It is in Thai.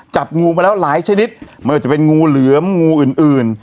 จับงูมาแล้วหลายชนิดไม่ว่าจะเป็นงูเหลือมงูอื่นอื่น